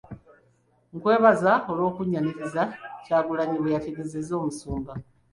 "Nkwebaza olw'okunnyaniriza.” Kyagulanyi bwe yategeezezza Omusumba.